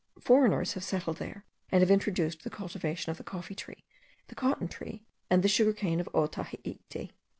Foreigners have settled there, and have introduced the cultivation of the coffee tree, the cotton tree, and the sugar cane of Otaheite.